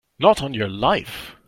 Not on your life!